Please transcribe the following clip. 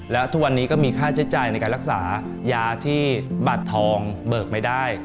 และทุกวันนี้ก็มีค่าใช้จ่ายในการรักษายาที่บัตรทองเบิกไม่ได้